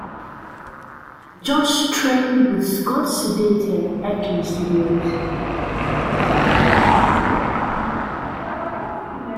Josh trained with Scott Sedita Acting Studios.